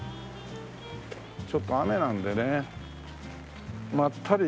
ちょっと雨なんでねまったり。